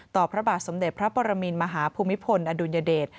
พระบาทสมเด็จพระปรมินมหาภูมิพลอดุลยเดช